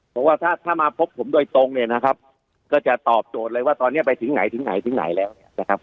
เพราะว่าถ้าถ้ามาพบผมโดยตรงเนี่ยนะครับก็จะตอบโจทย์เลยว่าตอนนี้ไปถึงไหนถึงไหนถึงไหนแล้วเนี่ยนะครับ